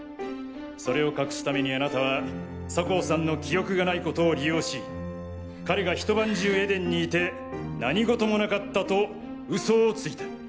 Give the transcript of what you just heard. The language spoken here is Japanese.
それを隠すためにあなたは酒匂さんの記憶がないことを利用し彼がひと晩中ＥＤＥＮに居て何事もなかったと嘘をついた。